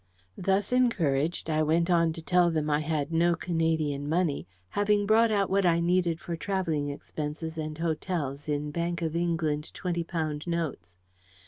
Thus encouraged, I went on to tell them I had no Canadian money, having brought out what I needed for travelling expenses and hotels in Bank of England 20 pound notes.